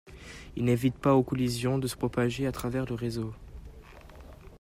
Il n'évite pas aux collisions de se propager à travers le réseau.